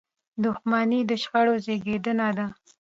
• دښمني د شخړو زیږنده ده.